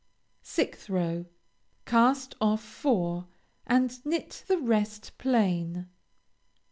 6th row Cast off four, and knit the rest plain.